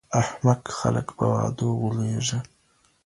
احمق خلګ په وعدو غولیږي.